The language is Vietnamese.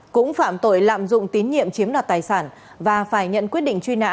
cũng phạm tội lạm dụng tín nhiệm chiếm đoạt tài sản và phải nhận quyết định truy nã